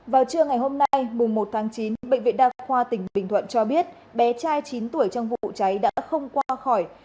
vào trưa ngày hôm nay mùng một tháng chín bệnh viện đa khoa tỉnh bình thuận cho biết bé trai chín tuổi trong vụ cháy đã không qua khỏi